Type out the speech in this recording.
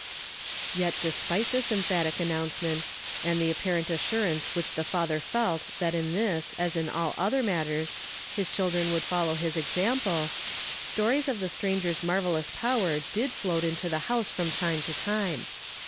Yet despite this emphatic announcement, and the api)arent assurance wliicli the father felt that in tliis, as in other matters, his children would fol low his example, stories of the strangers marvel lous power did float into the house from time to time.